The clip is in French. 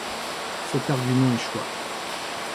Cet argument échoua.